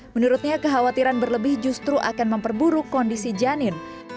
menurutnya kekhawatiran berlebih justru akan memperburuk kondisi janin